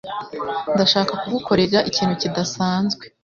Ndashaka kugukorera ikintu kidasanzwe.